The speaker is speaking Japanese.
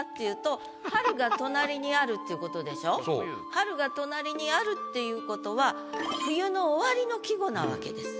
春が隣にあるっていう事は冬の終わりの季語なわけです。